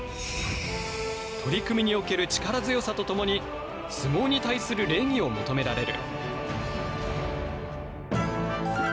取組における力強さと共に相撲に対する礼儀を求められる。